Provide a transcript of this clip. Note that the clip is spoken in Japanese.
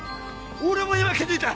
俺も今気づいた。